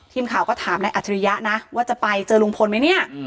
ทีมข่าวก็ถามนายอัจฉริยะนะว่าจะไปเจอลุงพลไหมเนี่ย